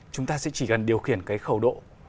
chúng ta sẽ chỉ cần điều khiển cái khẩu độ